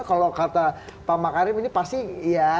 kalau kata pak makarim ini pasti ya bukan cuma orangnya ya